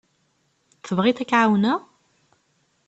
Tebɣiḍ ad k-ɛawneɣ?